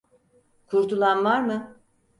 Kurtulan var mı?